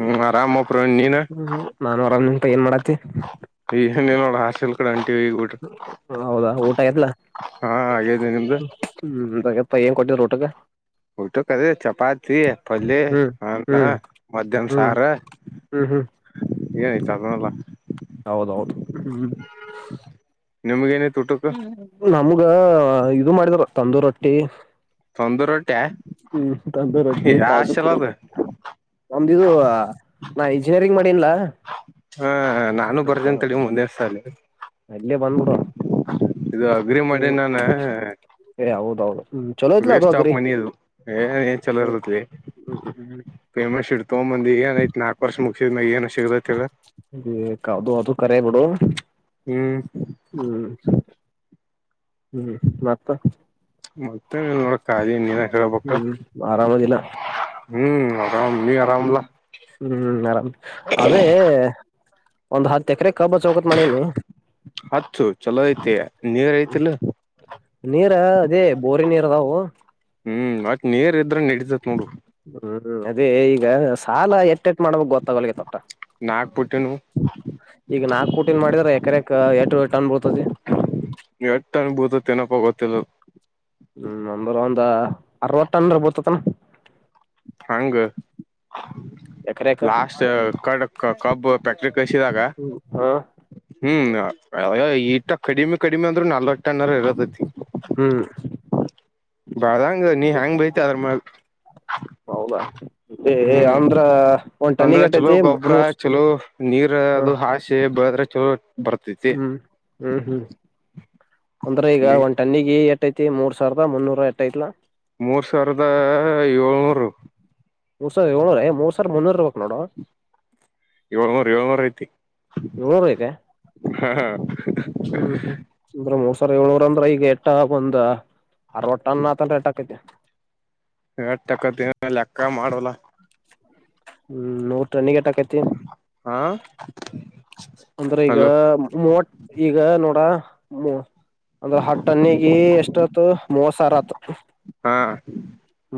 ಹ್ಮು ಆರಾಮ ಹೋಗ್. ಹ್ಮು ನಾನು ಆರಾಮ ಅದನಿ. ಪ ಏನ್ ಮಾಡಾತಿ. ಈ ನೀನ್ ನೋಡ ಹಾಸೆಲ್ ಕಡೆ ಹೊಂಟಿವಿ ಈಗ ಊಟ ಹೌದಾ ಊಟ ಎಲ್ಲ ಹಾ ಹಾಗೇದ ನಿಮ್ದು ಹ್ಮ ನಮ್ದ್ ಪಾ ಏನ್ ಕೊಟ್ಟಿದ್ರ ಊಟಕ್. ಊಟಕ್ಕೆದ ಚಪಾತಿ ಪಲ್ಲಿಯ ಹ್ಮ್ ಅನ್ನ ಹ್ಮ್ ಮಧ್ಯಾಹ್ನ ಹ್ಮ್ ಸಾರು. ಹ್ಮ್ ಹ್ಮ್ ಏತನಲ್ಲಾ. ಹೌದೌದು ಹ್ಮ. ನಿಮ್ಗ ಏನಿತ್ತು. ಹ್ಮ ನಮ. ಈಗ ಇದು ಮಾಡಿದ್ರು ತಂದೂ ರೊಟ್ಟಿ. ತಂದು ರೊಟ್ಟಿ ಹ್ಮ ತಂದುರ್ ರಟ್ಟಿ ಯಾ ಕಾಜು ಹಾಸ್ಟೆಲ್ ಕರಿ ಅದ ನಮ್ದಿದು ನಾ ಇಂಜಿನಿಯರಿಂಗ್ ಮಾಡಿನ್ಲ ಹ ನಾನು ಮತ್ತ. ಬರ್ತೀನಿ ತಡಿ ಮುಂದಿನ ಸಾಲಿ ನಲ್ಲಿಯ ಬಂದ್ಬಡ ಇದು ಅಗ್ರಿ ಹ್ಮ. ಮಾಡಿ ನಾನ ಹೌದೌದು. ಹ್ಮ್ ಚಲೋ ಐತ್ಲ ಅದು ವೇಸ್ಟ್ ಆಫ್ ಅಗರಿ ಮನಿ ಅದು ಏನ್ ಏನ್ ಚಲೋ ಇರತ್ಲ್ಲಿ ಹ್ಮ್ ಹ್ಮ್ ಫೆಮಸ್ ಇಡ್ ತಗೊಂಬಂದಿ ಏನ್. ನ ನಾಕ ವರ್ಷ ಮುಗಸಿದ ಏನು. ಕಾದು ಅದುೂ ಕರೆ ಬುಡು. ಹ್ಮ್ ಹ್ಮ್. ಹ್ಮ್ ಮತ್ತ. ಮತ್ತ ನೋಡ ಕಾಲಿ ನೀವ ಹೇಳ್ಬಕು ಹ್ಮ್ ಆರಾಮದಿಲ್ಲ ಹ್ಮ್ ಆರಾಮ ನೀ ಆರಾಮಲ. ಹ್ಮ್ ಆರಾಮ್ ಒಂದು ಹತ್. ಎಕರೆ ಕಬ್ಬ ಚೌಕತ್ ಮಾಡೀನಿ ಹಚ್ಚು ಚಲೋ ಐತ ನೀರ್ ಐತಿಲ್ಲ. ನೀರ ಅದೇ. ಬೋರಿನ ನೀರ ಅದಾವು. ಹ್ಮ್ ಅ ನೀರ್. ದ್ರ ನಡೀತೈತಿ ನೋಡು. ಹ್ಮ್ ಅದೇ ಈಗ ಸಾಲ ಎ ಎಟ್ಟ ಎಟ್ಟ ಮಾಡಬೇಕ ಗೊತ್ತಾಗವಲ್ತ್ ಒಟ್ಟ ನಾಕ್ ಪುಟ್ಟಿನು ಈಗ ನಾಕ್ ಪುಟಿಂದ ಮಾಡಿದ್ರಾ ಎಕ್ರೆಕ ಎಟ್ ಟನ್ ಬೀಳ್ತೈತಿ. ಎಟ್ಟ ಅನ್ಭೂತತ್ತೇನಪ್ಪ ಗೊತ್ತಿಲ್ಲ ಹ್ಮ ನಂದ್ರ ಒಂದ್ ಅರವತ್ತು ಟನ್ರ ಬೀಳ್ತೈ. ಹ. ಹಂಗ. ಎಕರೆಕ ಲಾಸ್ಟ್ ಕಡ ಕಬ್ ಫ್ಯಾಕ್ಟರಿ ಕಳ್ಸಿದ್ದಾಗ ಹ ಹ್ಮ್. ಅ ಅಯ ಈಟ ಕಡಿಮೆ ಕಡಿಮೆ ಅಂದ್ರನು ನಲವತ್ತು ಟನ ಇರತೈತಿ. ಹ್ಮ್ ಬೆಳದಂಗ ನೀ ಹೆಂಗ್ ಬೆಳಿತಿ ಅದರ ಮ್ಯಾಲ. ಹೌದಾ ಏ ಏ ಅಂದ್ರ ಒಂದ್ ಅಂದ್ರೆ ಟನ್ನಿಗೆ ಚಲೋ ಎಟೈತಿ ಗೊಬ್ರ ಮೂರ್ ಚಲೋ ನೀರ್ ಹ ಅದು ಹಾಸಿ ಬೆಳದ್ರೆ ಚಲೋ ಬರ್ತೈತಿ ಹ್ಮ್ ಹ್ಮ್ ಹ್ಮ್ ಅಂದ್ರ ಈಗ ನೀ ಒಂದ ಟನ್ನಿಗೆ ಎಟೖತಿ ಮೂರ್ ಸಾವ್ರದ ಮುನ್ನೂರ ಎಟೖತ್ನ. ಮೂರ್ ಸಾವ್ರದ ಏಳ್ನೂರು. ಮೂರ್ ಸಾವ್ರದ ಏಳ್ಳೂರ ಏ ಮೂರ್ ಸಾವ್ರದ್ ಮುನ್ನೂರು ಇರಬೇಕ್ ನೋಡೋ. ಏಳ್ನೂರ್ ಏಳ್ನೂರ್ ಐತಿ. ಏಳ್ನೂರ್ ಐತೆ ಹ ಹ್ಮ್ ಹ್ಮ್ ಅಂದ್ರ ಮೋಸ. ಏಳ್ನೂರ ಅಂದ್ರ ಈಗ ಎಟ್ಟಾ ವಂದ. ಅರವತ್ತ ಟನ್ ಆತಂದ್ರ ಎಟಾಕ್ತೈತಿ. ಎಟ್ ಅಕ್ಕೖತಿ ಲೆಕ್ಕಾ ಮಾಡ್ರಲ್ಲ. ಹ್ಮ್ ನೋ ಹಾ ಅಂದ್ರ ಈಗ ಹಲೋ ಮೂವತ್ತ್ ಈಗ ನೋಡ ಹ್ಮ ಅಂದ್ರ ಹತ್ತ ಟನ್ಗಿ ಎಸ್ಟ್ ಆತು ಮೂವತ್ತು ಸಾವ್ರಾತು. ಹಾ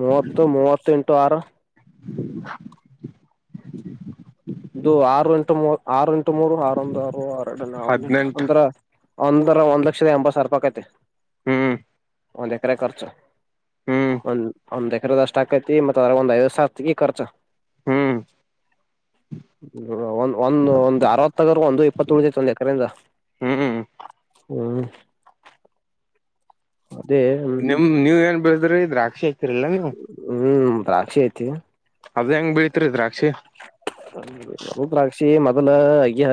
ಮೂವತ್ತು ಮೂವತ್ತೆಂಟು ಆರು [inaudible] ಇದು ಆರು ಇಂಟು ಮೂವತ್ತು ಆರು ಟು ಮೂರು ಆರೊಂದ್ ಆರು ಆರ ಎರಡ ಹನ್ನೆರಡು ಹದ್ನೆಂಟ್ ಹದ್ನೆಂಟ ಅಂದ್ರ ಅಂದ್ರ ಒಂದ್ ಲಕ್ಷದ ಎಂಬತ್ ಸಾವ್ರ ರೂಪಾಯಿ ಅಕೈತಿ. ಹ್ಮ್ ಒಂದು ಎಕರೆ ಖರ್ಚು. ಹ್ಮ್ ಅ [unintelligible] ಒಂದ್ ಎಕಿರ್ದಷ್ಟಾಗೖತಿ ಮತಾ ಅದ್ರಗೊಂದ್ ಐವತ್ಸಾವ್ರ ತೆಗಿ ಖರ್ಚು. ಹ್ಮ್ ಒ ಒಂದ ಒಂದ್ ಅರವತ್ತಗ್ರ ಒಂದು ಇಪ್ಪತ್ತು ಉಳ್ದತಿ ಒಂದ್ ಎಕ್ರೆಯಿಂದ ಹ್ಮ್ ಹ್ಮ್ ಅದೇ ಹ್ಮ್ ನಿಮ್ ನೀವೇನ್ ಬೆಳೆದ್ರಿ [unintelligible] [unintelligible] ಹ್ಮ್. ದ್ರಾಕ್ಷೆತಿ. ಅದ ಹೆಂಗ್ ಬೀಳರಿಿದ್ರ. ಹೌ ನ ರಾಕ್ಷ. [unintelligible] ಮೊದಲ ಅಯ್ಯ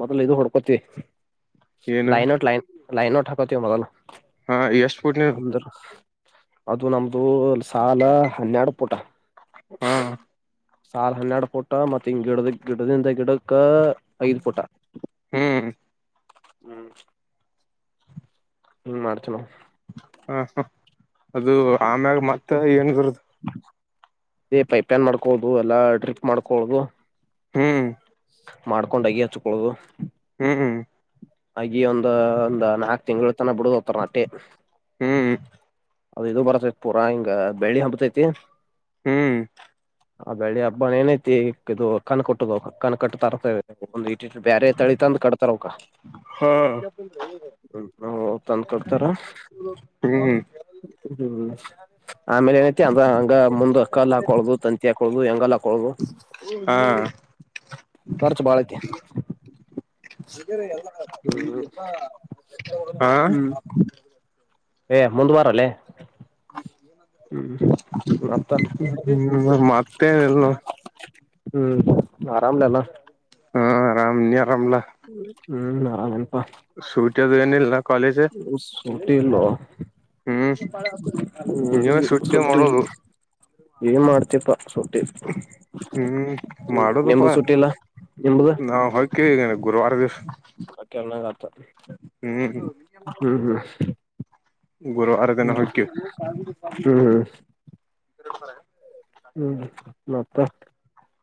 ಮೊದಲ್ ಇದು ಹೊಡ್ಕೋತಿವಿ. ಏನ ಲೈನ್ ಔಟ್ ಲೈನ್. ಲೈನ ಠಕತ ಮೊದಲು. ಹಾ ಎಷ್ಟ್ ಪುಟ್ ನೀ ಅಂದ. ಇದು ನಮ್ದು ಸಾಲ ಹನ್ನೆರಡು ಪುಟ. [inaudible] ಹಾ ಸಾವಿ ಹನ್ನೆರಡ್ ಫುಟ ಮತ್ತತ್ ಹಿ ಗಿಡದ ಗಿಡದಿಂದ ಗಿಡಕ್ ಐದ್ ಫುಟ. ಹ್ಮ್. ಹ್ಮ್. ಹ್ಮ್ ಮಡತಣ. ಹಾ ಹಾ. ಅದು ಆಮ್ಯಾಗ ಮತ್ತ ಏನ್ ಬರದು. ಪೈಪ್ನ್ ಮಾಡ್ಕೊಳುದು ಎಲ್ಲಾ ಡ್ರಿಕ್ ಮಾಡ್ಕೊಳುದು. ಹ್ಮ್. ಮಾಡ್ಕೊಂಡಾಗಿಿ ಹಚ್ಕೊೊಳ್ಳೋದು. ಹ್ಮ್ ಹ್ಮ್. ಹಾಗ ಒಂದು ಒಂದ್ ನಾಕ್ ತಿಂಗಳು. ತ್ತನ್ನ ಬಿಡಗ ಒತ್ತರನಾಟೆ. ಹ್ಮ್ ಅದ ಇದು ಬರತೈತಿ ಪೂರ ಹಿಂಗ ಬೆಳ್ಳಿ ಹಂಪ್ತೈತಿ. ಹ್ಮ್. ಆ ಬೆಳಿ ಹಬ್ಬ ಏನೈತಿ ಇದು ಕಣ ಕೊಟ್ಟುದು ಕಣ್ ಕಟ್ಟ ತರ್ತ. ಬೇರೆ ತಳಿ ತಂದ್ ಕೊಡ್ತಾರ ಅವಕ ಹಾ ತಂದ್ ಕೊಡ್ತಾರ. ಹ್ಮ್ ಹ್ಮ್ ಆಮೇಲೆ ಏನತಿ ಅಂದ್ರ ಹಂಗ ಮುಂದ್ ಅ ಕಲ್ ಹಾಕೊಳದು ತಂತಿ ಕೊ ಎಂಗಲ್ಲ. ಹಾ. ಖರ್ಚು ಬಾಳ ಐತಿ. ಹಗೇರೆ ಎಲ್ಲ. ಹ್ಮ್ ಹಾ ಹ್ಮ್. ಏ ಮುಂದುವಾರಲ್ಲೇ. ಹ್ಮ್ ಮತ್ತೇನಲ್. ಹ್ಮ್ ಆರಾಮ್ಲೆ ಅಲ್ಲ. ಹಾ ಆರಾಮಲಿ. ಆರಾಮ. ಹ್ಮ್ ಆರಾಮ ಅಪ್ಪ. ಸುತ ತುಏನಿಲ್ಲಿಲ್ಲಾ. ಕಾಲೇಜ. ಊಟ್ಟಲ್ಲ. ನೀವೇ ಹ್ಮ್ ಸೂಟಿ ಸುಟ್ಟ ಮಾಡೋದು ಏನ್ ಮಾಡ್ತಿಪ್ಪ ಸುಟ್ಟಿ ಹ್ಮ್ ಹ್ಮ್ ನೆಂಬು ಮಾಡೋದಪ್ಪಾ ಸುಟ್ಟಿಲ್ಲ ನಿಂಬುದಕಾಗ ನಾವ್ ಹೊಕ್ಕಿವಿ ಗುರುವಾರ ದಿವ್ಸ ಆತ. ಹ್ಮ್ ಹ್ಮ್ ಹ್ಮ್. ಗುರುವಾರ ದಿನ ಹ್ಮ ಹೊಕ್ಕಿವಿ ಹ್ಮ್ ಹ್ಮ್. ಹ್ಮ ಮತ್ತ.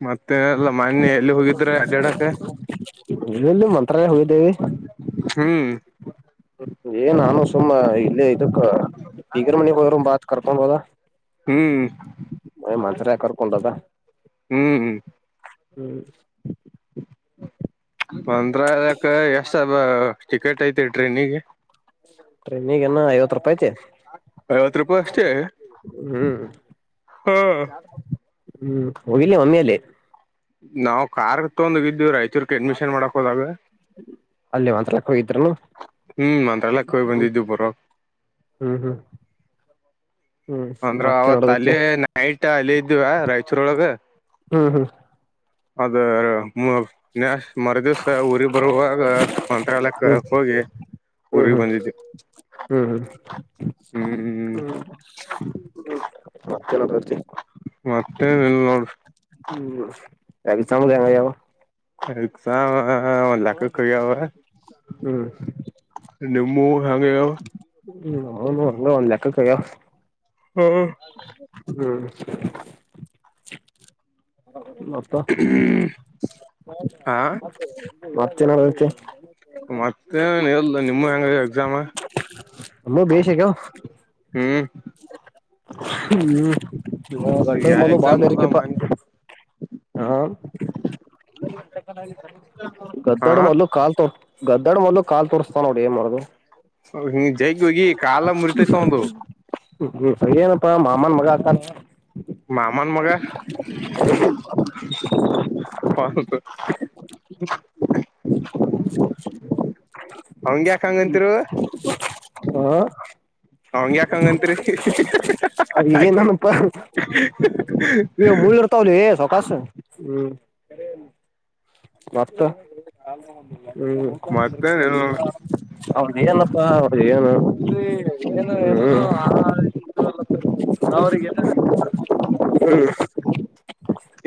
ಮತ್ತೆ ಎಲ್ಲ ಮನೆೆ ಎಲ್ಲಿ ಹೋಗಿದ್ರೆ ಅಡ್ಡಕ. ಹತ್ರ ಹೋಯ್ದೇವಿ. ಹ್ಮ್. ಏ ನಾನು ಸುಮ್ಮ ಇಲ್ಲ ಇದಕ್ಕ ಇಗರ ಮನಿಗೆ ಹೋದರು ಮಾತ್. ಕರ್ಕೊಂಡುಬೋದಾ. ಹ್ಮ್ ಮಂತ್ರಾಲಯ ಕರ್ಕೊಂಡ್ ಹೋದ ಹ್ಮ್ ಹ್ಮ್. ಹ್ಮ್. ಮಂತ್ರಲಾಯಕೆ ಎಷ್ಟ ಟಿಕೆಟ್ ಐತಿ ಟ್ರೈನಿಗೆ ಟ್ರೈನಿಗೇನ ಐವತ್ ರೂಪಾಯಿ ಐತಿ ಐವತ್ ರೂಪಾಯಿ ಅಷ್ಟೇ ಹ್ಮ್ ಹಾ. ಹ್ಮ್ ಹೋಗಿಲ್ಲ ಮಮ್ಮಿಯಲ್ಲೇ. ನಾವು ಕಾರಾರ್ ತೊಂದೋಗಿದ್ದೇವಿ ರಾಯಚೂರ್ಗೆ ಅಡ್ಮಿಷನ್ ಮಾಡಕ್ ಹೋದಾಗ. ಅಲ್ಲಿ ಮಂತ್ಲಕ್ ಹೋಗಿದ್ನು್ಮ ಹ್ಮ್ ಮಂತ್ರಾಲಯಕ್ ಹೋಗಿ ಬಂದಿದ್ವಿ ಬರೋ ಹ್ಮ್ ಹ್ಮ್. ಹ್ಮ್ ಅಂದ್ರ ಮತ್ತೆ ಅವತ್ ನಡದೈತಿ ಅಲ್ಲಿ ನೈಟ್ ಅಲ್ಲಿ ಇದವ ರಾಯಚೂರೊಳಗ. ಹ್ಮ್ ಹ್ಮ್. ಅದ. ನನ್ಯಾ ಮರದಿವ್ಸ ಊರಿಗೆ ಬರುವಾಗ ಮಂತ್ರಾಲಯಕ್ಕೆ ಹ್ಮ್ ಹೋಗಿ ಹ್ಮ್ ಹ್ಮ್ ಊರಿಗ್ ಬಂದಿದವಿ. ಹ್ಮ್ ಹ್ಮ್ ಹ್ಮ್ ಹ್ಮ. [inaudible] ಮತ್ತೆನ ತರ್ತಿ. ಮತ್ತೆ ಎಲ್ ನೋಡರಿ. ಹ್ಮ್ ಎಕ್ಸಾಮ್ ಯಾವಾಗ ಯಾವಾಗ ಎಕ್ಸಾಮ್ ಒಂದ ಲೆಕ್ಕಕ್ಕ ಹೋಗ್ಯಾವ. ಹ್ಮು ನಿಮ್ಮು ಹಂಗ ಆಗ್ಯಾವು. ಹ ಹಂಗ ಒಂದ ಲಕ್ಕಕ್ ಆಗ್ಯಾವ. ಹ ಹ್ಮು ಮತ್ತ ಆ [unintelligible] ಮತ್ತೆ ಏನ್ ನಡದತ್ತಿ. ಮತ್ತೇನ್ ಇಲ್ಲ್ ನಿಮ್ಮು ಹೆಂಗ ಎಕ್ಸಾಮ. ಹಂಗ್ ಭೇಷ್ ಆಗ್ಯಾವ್. ಹ್ಮ್ ಹ್ಮು ಈಗ ಗಡ್ಡದ ಯಾ ಮಲ್ಲು ಬಾಳ ಎಕ್ಸಾಮ್ ಮುಗ್ದಾವ ಬೇರಿಕಪಾ. ಮನ್ [inaudible] ಹಾ ಗದ್ದಾಡ ಮಲ್ಲು ಕಾಲ್ತೊ ಗದ್ದಾಡು ಮಲ್ಲು ಕಾಲ್ ತೋರಿಸ್ತಾನ್ ನೋಡ ಏನ್ ಮಾಡೋದು. ಹೌ ಹಿ ಜೈ. ಗಿ ಹೋಗಿ ಕಾಲ ಮುರಿತೈತ ಅವಂದು. ಸರಿ ಏನಪ್ಪ ಮಾಮಾನ ಮಗ ಆತಾನ. ಮಾಮಾನ್ ಮಗಾ. ಒಂದ್ ಅವಂಗ್ಯಾಕ್ ಹಂಗ್ ಅಂತಿರು. ಆ ಅವಂಗ ಯಾಕ ಹಂಗಂತಿರ್. ಅದ ಏನನಪ್ಪಾ. ಎ ಮುಳ್ಳರ್ತಾವ್ಲೇ ಸೌಕಾಸ್ ಹ್ಮು. [unintelligible] ಮತ್ತ್ [unintelligible] ಹ್ಮು ಮತ್ತೇನ್ ಇಲ್ಲ ನೋಡ್ ಅವಂದೇನಪಾ ಅವ್ರೇನ ಹು. ಅವ್ರಿಗೇನರೆ ಹ್ಮು.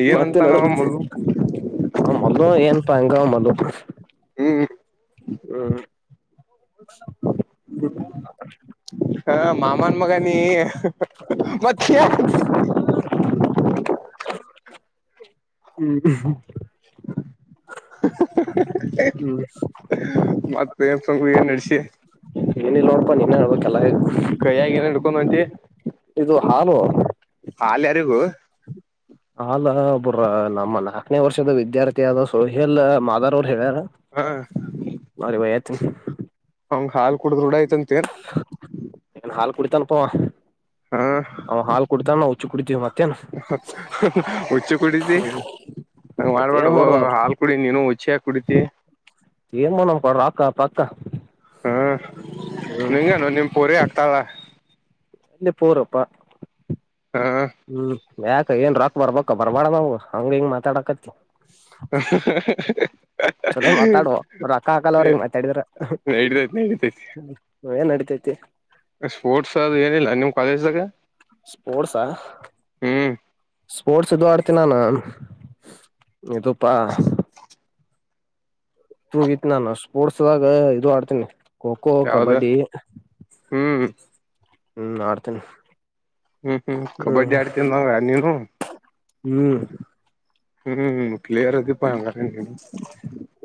ಏನಂತಾನಾವ್ ಮಲ್ಲು. ಏನಪಾ ಹಂಗ ಅವ್ ಮಲ್ಲು. ಹ್ಮು ಹ್ಮು ಹಾ. ಮಾಮನ್ ಮಗ ನೀ ಮತ್ತ. [unintelligible] [inaudible] ಹ್ಮ್. ಮತ್ತ ಏನ್ ಸಕ ಏನ್ ನಡ್ಸಿ ಏನಿಲ್ಲ ನೋಡಪಾ ನೀನೇ ಹೇಳ್ಬೇಕೆಲ್ಲ ಕೈಯಗ ಏನ ಹಿಡ್ಕೊಂಡ್ ಹೊಂಟಿ ಇದು ಹಾಲ್ ಯಾರಿಗೂ. ಅಲ್ ಒಬರ ನಮ್ಮ ನಾಕನೇ ವರ್ಷದ ವಿದ್ಯಾರ್ಥಿ ಆದ ಸೊಹೇಲ್ ಮಾದಾರ್ ಅವರು ಹೇಳ. ಹಾ [unintelligible] ತ್ತ. [unintelligible] ಹಂಗ ಹಾಲ್ ಕುಡುದ ರೂಡ ಆಯತ್. ಏನ್ ಹಾಲು ಕುಡಿತಾನ ಪವ ಅವ ಹಾಲು ಕುಡಿತಾನ. ಕುಡಿತೀವಿ ಮತ್ತ್. ಉಚ್ಚಿ ಕುಡಿದಿ ಹಂಗ ಮತ್ತ ಮಾಡ್ಬಾಡ್ ಏನ್ ಮಾಡುದ ಅವ್ರ ಹಾಲ್ ಕುಡ ನೀನು ಹುಚ್ಚಿಕ್. ಕುಡಿತ. ಏನ್ ಮೋನಮ್ ಕೊಡ್ರ ಅಕ್ಕ ಅ ಪ ಅಕ್ಕ. ಹಾ ನಿಂಗೇನು ನಿಮ ಪೊರಿ ಆ. ತ್ತಲ. ಎಲ್ಲಿ ಪರಪ್ಪ. ಹಾ. ಯಾಕ ಏನ್ ರಾಕ್ ಬರ್ಬಕ್ ಬರ್ಬಾಡ ಅವು ಹಂಗ ಹಿಂಗ್ ಮಾತಾಡಕತಿ. ಚಲೋ ಮಾತಾಡುವ ರೊಕ್ಕ ಹಾಕಲ್ಲ ಅವ್ರಿಗೆ ಮಾತಾಡಿದ್ರ [inaudible] ನಡಿತೈತಿ ನಡಿತೈತಿ. [inaudible] ಸ್ಪೋರ್ಟ್ಸ್ ಅ ಏನಿಲ್ಲ ನಿಮ್ ಕಾಲೇಜ್ದಾಗ. ಸ್ಪೋರ್ಟ್ಸಾ ಆ. ಹ್ಮ್ ಸ್ಪೋರ್ಟ್ಸ್ ಇದು ಆಡ್ತೀನಾನು. ಇದುಪ್ಪಾ. ಹೂಗಿತ್ ನಾನು ಸ್ಪೋರ್ಟ್ಸದಾಗ ಇದು ಆಡ್ತೀನಿ. ಖೋಖೋ ಯಾವ್ದ ಕಬಡ್ಡಿ. ಹ್ಮ್. ಹ್ಮ್ ಆಡ್ತೀನಿ. ಹ್ಮ್ ಹ್ಮ್ ಕಬಡ್ಡಿ ಆಡ್ತ ನ ನೀನು. ಹ್ಮ್್ಮ ಹ್ಮ್. ಪ್ಲೇಯರ್ ಅದೀಪ ಹ್ಮ ಹಂಗಾರ ನೀನು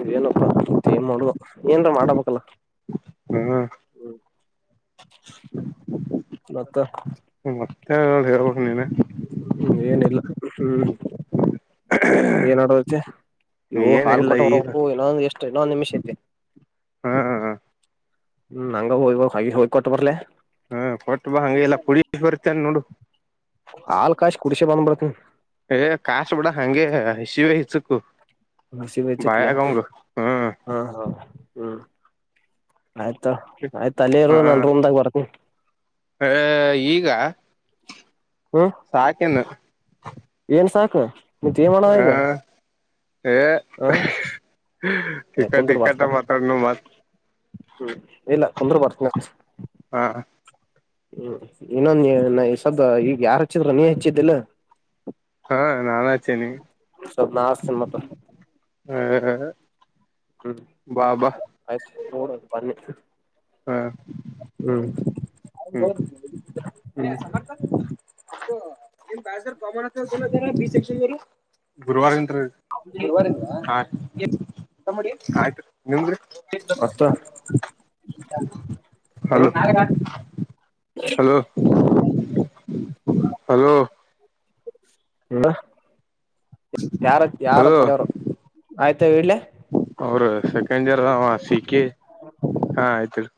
ಇದೇನಪ್ಪಾ ಮತ್ತೆ ಏನ್ ಮಾಡೋುವ ಏನ್ರ ಮಾಡಬೇಕಲ್ಲ ಹ್ಮ್. ಹ್ಮ ಮತ್ತ ಮತ್ತೆ ಹೇಳ್ಬೇಕ್ ನೀನ ಹ್ಮ್ ಏನಿಲ್ಲ ಹ್ಮ್. ಏನ್ಮಾಡೖತೆ ಯೋ ಹಾಲ್ ಏನಿಲ್ಲ ಈಗ ಕೊಟ್ಟವ್ರಪ್ಪೋ ಇನೊಂದ್ ಎಷ್ಟ ಇನ್ನೊಂದ್ ನಿಮಿಷ ಐತೆ ಹಾ ಹ್ಮ ನಂಗ ಹೋಗ್ ಹಾಗ ಹೊ ಕೊಟ್ಬರಲ್ಲೆ. ಹಾ ಕೊಟ್ಬಾ ಹಂಗ ಎಲ್ಲ ಪುಡಿ ಬರ್ತೇನ್ ನೋಡು. ಪುಡಿಶೆ [unintelligible] ಏ ಕಾಸುಬಿಡೋ ಹಂಗೆ ಶಿವೖಚುಕು ಮಸಿಬೖಚಿಕ್ಲೆ ಹ್ಮ್ ಹಾ ಹಾ. ಹಾ ಆಯ್ತ ಆಯ್ತಲ್ಲೇ ಇರು ನನ್ ಹ ರೂಮ್ದಾಗ ಬರ್ತನ. ಏ ಸಾಕಿನು. ಹ [inaudible] ಏನ್ಸಾಕು ಮತ್ತೇನ್ಮಾಡಣ ಈಗ? ಹ ಏ ಕುಂದ್ರ ಬರ್ತಾ [unintelligible] ಮಾತಡ್ನು ಮಾತ ಹ್ಮ್ ಇಲ್ಲ ಕುಂದ್ರು ಬರ್ತನಿ. ಹಾ ಹ್ಮ್ ಇನ್ನೊಂದು ಈ ಸ್ವಲ್ದು ಈಗ ಯಾರ್ ಹಚ್ಚಿದ್ರ ನೀ ಹಚ್ಚಿದ್ದಿಲ್ಲ ಹಾ ನಾನಾಚ್ತೆನೆ ಸ್ವಲ್ಪ ನಾ ಹಚ್ತೇನ್ ಮತ್ತ ಹ ಹ್ಮ್ ಆಯ್ತು ನೋಡದು ಬನ್ನಿ ಹ ಹ್ಮ್ ಹ್ಮ್ ಹ್ಮ್ ಇದು ನಿಮ್ ಬ್ಯಾಚೊರ್ [unintelligible] ಬಿ ಸೆಕ್ಷನ್ದವರು ಗುರುವಾರಿಂದ್ ಗುರುವಾರಿಂದ ಹಾ ಟಮ್ಮಾಡಿ ಆಯ್ತು. ನಿಮ್ಮದ್ರಿ? ಮತ್ತ ಹಲೋ ಹ್ಮ್ ಹಲೋ ಹಲೋ. [unintelligible] ಯಾರ ಯಾರ ಪ ಹಲೋ [unintelligible] ಆಯ್ತ ಇಡ್ಲೆ? ಅವ್ರ ಸೆಕೆಂಡ್ ಇರ್ ಸಿ ಕೆ ಹಾ ಆಯ್ತ್ು ಇಡು.